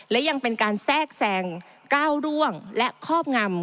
และยังเป็นการแทรกแซงก้าวร่วงและครอบงำ